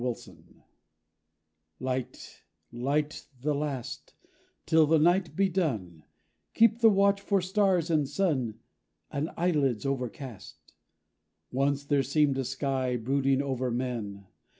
VESTAL FLAME Light, light, the last: Till the night be done, Keep the watch for stars and sun, and eyelids over cast. Once there seemed a sky, Brooding over men.